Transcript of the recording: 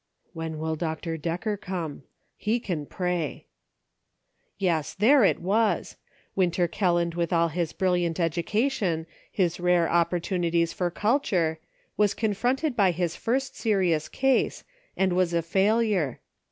" When will Dr. Decker come ? He can pray." A NIGHT FOR DECISIONS. 319 Yes ; there it was ! Winter Kelland with all his brilliant education, his rare opportunities for cult ure, was confronted by his first serious case, and was a failure